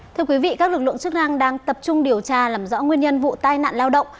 thưa quý vị các lực lượng chức năng đang tập trung điều tra làm rõ nguyên nhân vụ tai nạn lao động